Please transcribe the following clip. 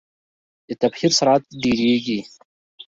د تبخیر سرعت ډیریږي.